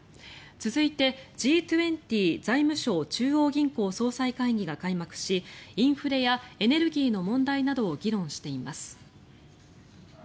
続いて、Ｇ２０財務相・中央銀行総裁会議が開幕しインフレやエネルギーの問題などを議論しています。